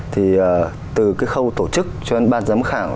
thì từ cái khâu tổ chức cho đến ban giám khảo